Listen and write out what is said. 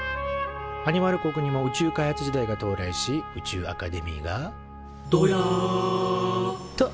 アニマル国にも宇宙開発時代が到来し宇宙アカデミーが「どや！」と誕生。